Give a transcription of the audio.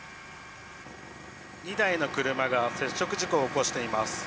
２台の車が接触事故を起こしています。